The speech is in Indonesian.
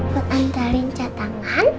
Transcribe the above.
buat antarin catangan